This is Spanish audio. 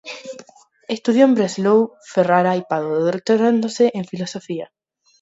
Estudió en Breslau, Ferrara y Padua, doctorándose en Filosofía en Cracovia.